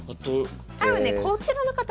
多分ねこちらの方は。